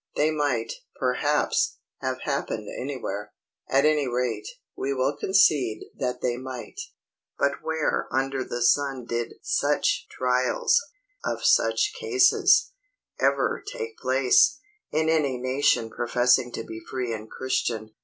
They might, perhaps, have happened anywhere; at any rate, we will concede that they might. But where under the sun did such TRIALS, of such cases, ever take place, in any nation professing to be free and Christian?